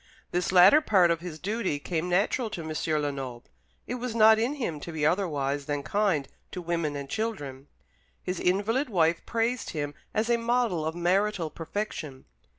This latter part of his duty came natural to M. Lenoble. It was not in him to be otherwise than kind to women and children. His invalid wife praised him as a model of marital perfection.